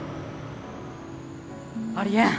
ありえん。